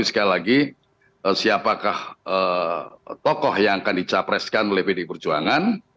jadi siapakah tokoh yang akan dicapreskan oleh pdi perjuangan